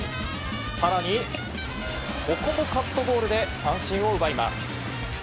更に、ここもカットボールで三振を奪います。